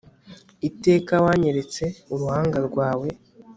iteka wanyeretse uruhanga rwawe